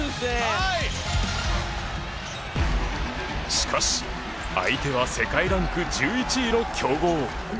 しかし、相手は世界ランク１１位の強豪。